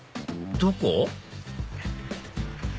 どこ？